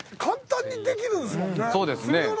簡単にできるんすもんね。